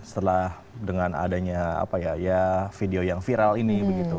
setelah dengan adanya apa ya video yang viral ini begitu